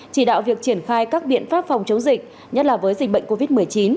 chỉ đạo việc triển khai các biện pháp phòng chống dịch nhất là với dịch bệnh covid một mươi chín